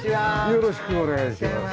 よろしくお願いします。